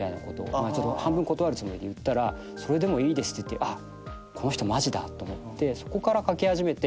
まあちょっと半分断るつもりで言ったら「それでもいいです」って言ってあっこの人マジだと思って。